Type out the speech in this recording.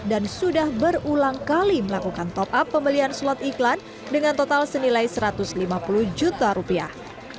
dan sudah berulang kali melakukan top up pembelian slot iklan dengan total senilai satu ratus lima puluh juta rupiah